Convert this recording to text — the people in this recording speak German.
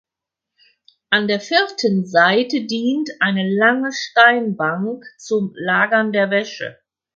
An der vierten Seite dient eine lange Steinbank zum Lagern der Wäsche.